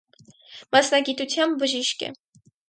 Մասնագիտութեամբ բժիշկ է։